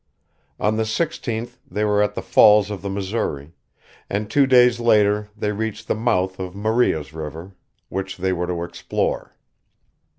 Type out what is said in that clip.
On the 16th they were at the Falls of the Missouri; and two days later they reached the mouth of Maria's River, which they were to explore.